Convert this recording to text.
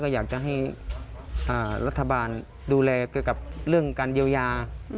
อยากจะให้รัฐบาลดูแลเกี่ยวกับเรื่องการเยียวยา